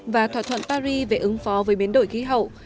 và thỏa thuận paris về ứng phó với biến đổi khí hậu